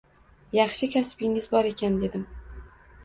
Yaxshi kasbingiz bor ekan, dedim